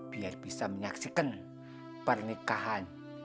biar bisa menyaksikan pernikahan